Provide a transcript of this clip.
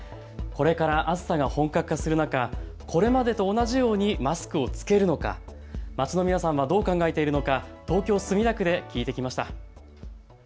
これから暑さが本格化する中これまでと同じようにマスクを着けるのか、街の皆さんはどう考えているのか、東京墨田区で聞いてきました。